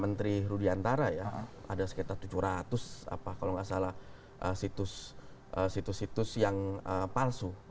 menteri rudiantara ya ada sekitar tujuh ratus apa kalau nggak salah situs situs yang palsu